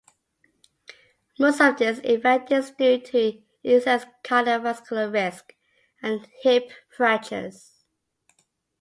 Most of this effect is due to excess cardiovascular risk and hip fractures.